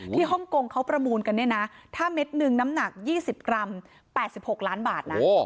ฮ่องกงเขาประมูลกันเนี่ยนะถ้าเม็ดหนึ่งน้ำหนัก๒๐กรัม๘๖ล้านบาทนะ